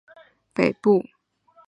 大觉胡同位于北京市西城区北部。